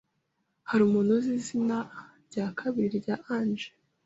Hari umuntu uzi izina rya kabiri rya Ange?